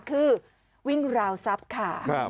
คือวิ่งราวทรัพย์ค่ะ